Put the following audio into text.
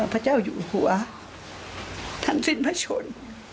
พระเจ้าอยู่หัวท่านสิ้นพระชน